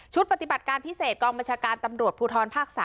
ปฏิบัติการพิเศษกองบัญชาการตำรวจภูทรภาค๓